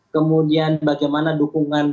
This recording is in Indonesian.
kemudian bagaimana dukungan